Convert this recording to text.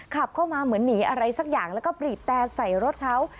ขับเข้ามาเหมือนหนีอะไรสักอย่างแล้วก็บีบแต่ใส่รถเขา